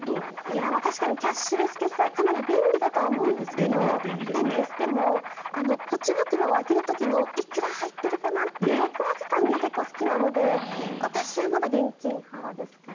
確かにキャッシュレス決済は便利だとは思うんですがでも、ポチ袋を開ける時のいくら入ってるかなっていうワクワク感が結構好きなので私はまだ現金派ですかね。